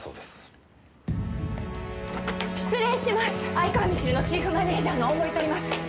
愛川みちるのチーフマネジャーの大森といいます。